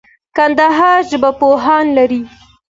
ننګرهار ژبپوهان لري